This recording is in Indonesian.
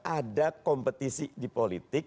ada kompetisi di politik